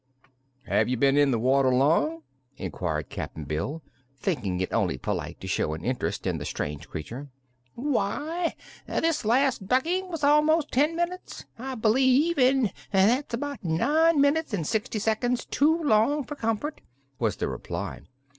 "Have you been in the water long?" inquired Cap'n Bill, thinking it only polite to show an interest in the strange creature. "Why, this last ducking was about ten minutes, I believe, and that's about nine minutes and sixty seconds too long for comfort," was the reply.